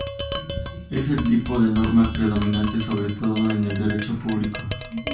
Es el tipo de norma predominante sobre todo en el derecho público.